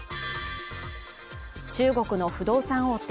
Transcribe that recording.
中国の不動産大手